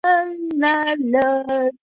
两百五十日圆